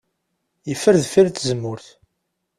Yeffer deffir n tzemmurt.